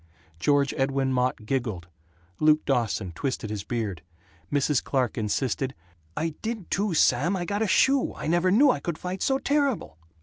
George Edwin Mott giggled; Luke Dawson twisted his beard; Mrs. Clark insisted, "I did too, Sam I got a shoe I never knew I could fight so terrible!"